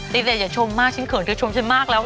เลอย่าชมมากฉันเขินคือชมฉันมากแล้ว